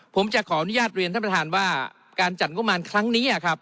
ผมจะขออนุญาตเรียนท่านประธานว่าการจัดงบประมาณครั้งนี้ครับ